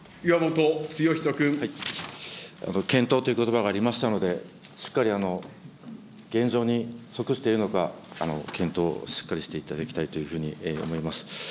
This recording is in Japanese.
検討ということばがありましたので、しっかり現状に即しているのか、検討をしっかりしていただきたいというふうに思います。